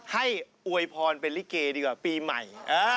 อวยพรเป็นลิเกดีกว่าปีใหม่